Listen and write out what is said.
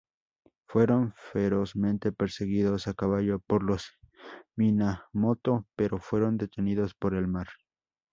Fueron ferozmente perseguidos a caballo por los Minamoto, pero fueron detenidos por el mar.